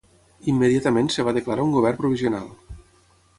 Immediatament es va declarar un govern provisional.